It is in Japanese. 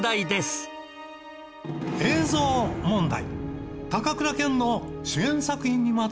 映像問題。